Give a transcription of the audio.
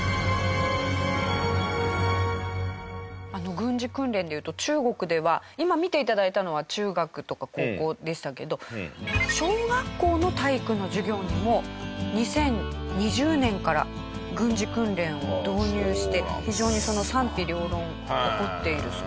軍事訓練でいうと中国では今見て頂いたのは中学とか高校でしたけど小学校の体育の授業にも２０２０年から軍事訓練を導入して非常に賛否両論起こっているそうですね。